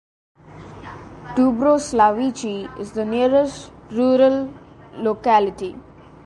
Dubroslavichi is the nearest rural locality.